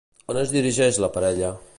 On es dirigeix la parella?